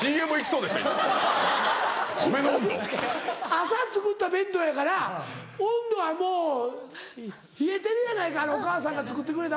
朝作った弁当やから温度はもう冷えてるやないかお母さんが作ってくれた。